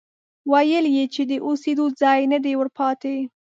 ويل يې چې د اوسېدو ځای نه دی ورپاتې،